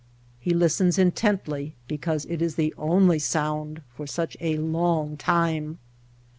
He listens intently because it is the only sound for such a long time.